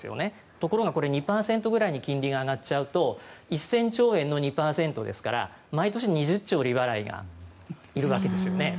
ところが２％ぐらいに金利が上がっちゃうと１０００兆円の２％ですから毎年２０兆利払いがいるわけですよね。